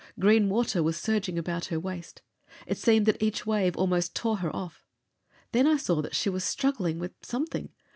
Green water was surging about her waist. It seemed that each wave almost tore her off. Then I saw that she was struggling with something.